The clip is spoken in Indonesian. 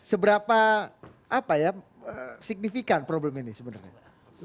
seberapa signifikan problem ini sebenarnya